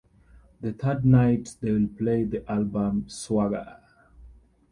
The third night, they will play the album "Swagger".